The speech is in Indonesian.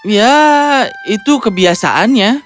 ya itu kebiasaannya